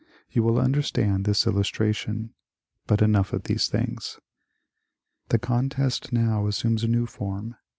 You will understand this illustration. But enough of these things. The contest now assumes a new form.